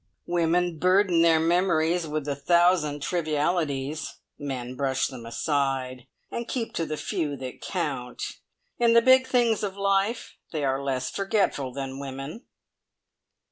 "Women burden their memories with a thousand trivialities. Men brush them aside, and keep to the few that count. In the big things of life they are less forgetful than women!"